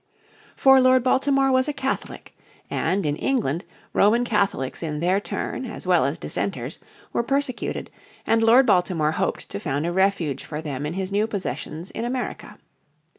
For Lord Baltimore was a Catholic, and in England Roman Catholics in their turn, as well as dissenters, were persecuted, and Lord Baltimore hoped to found a refuge for them in his new possessions in America.